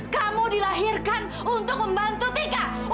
kamu dilahirkan untuk membantu anak anak